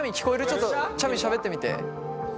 ちょっとちゃみしゃべってみて。